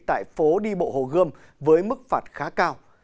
tại phố đi bộ hồ gươm với mức phạt khá cao